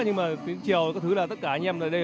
nhưng mà chiều các thứ là tất cả anh em